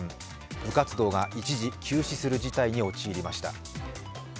部活動が一時休止する事態に陥りました。